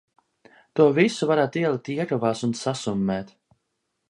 To visu varētu ielikt iekavās un sasummēt.